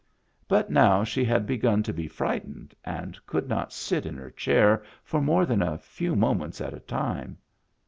But now she had begun to be frightened and could not sit in her chair for more than a few moments at a time.